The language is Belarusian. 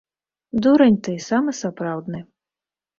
Дурань ты, самы сапраўдны.